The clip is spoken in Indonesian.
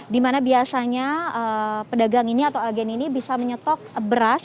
dimana biasanya pedagang ini atau agen ini bisa menyetok beras